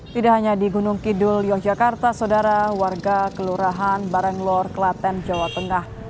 tidak hanya di gunung kidul yogyakarta saudara warga kelurahan barenglor klaten jawa tengah